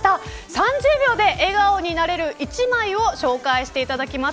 ３０秒で、笑顔になれる一枚を紹介していただきます。